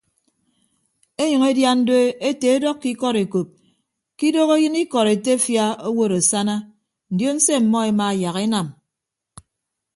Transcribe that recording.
Enyʌñ edian do ete edọkkọ ikọd ekop ke idooho eyịn ikọd etefia owod asana ndion se ọmmọ ema yak enam.